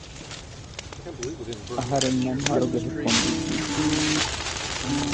އަހަރެންނަށް މަރުގެ ހުކުމް އިއްވިއްޖެ